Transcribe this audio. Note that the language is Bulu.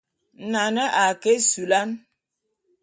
Nane a ke ésulán.